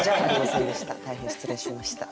大変失礼しました。